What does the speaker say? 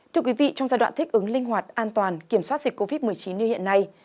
thưa quý vị trong giai đoạn thích ứng linh hoạt an toàn kiểm soát dịch covid một mươi chín như hiện nay